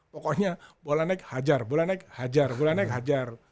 pokoknya bola naik hajar bola naik hajar bola naik hajar